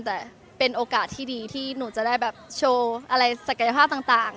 แต่เป็นโอกาสที่ดีที่หนูจะได้แบบโชว์อะไรศักยภาพต่าง